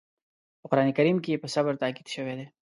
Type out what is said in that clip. په قرآن کریم کې په صبر تاکيد شوی دی.